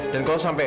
jangan sampai edo